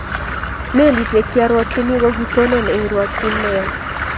Melit negyarwatyini kokitonon eng rwotyit neya